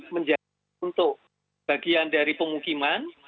menjadi untuk bagian dari pemukiman